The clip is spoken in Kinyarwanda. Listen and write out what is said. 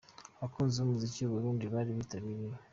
Abakunzi b'umuziki w'u Burundi bari bitabiriye.